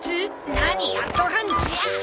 何やっとるんじゃ！